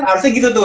harusnya gitu tuh